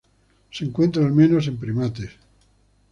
Se encuentra al menos en primates.